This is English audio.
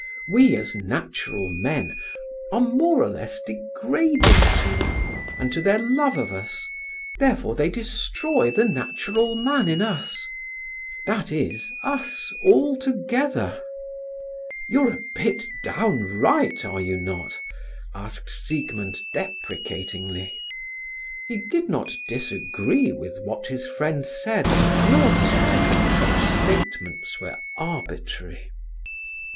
We, as natural men, are more or less degrading to them and to their love of us; therefore they destroy the natural man in us—that is, us altogether." "You're a bit downright are you not?" asked Siegmund, deprecatingly. He did not disagree with what his friend said, nor tell him such statements were arbitrary.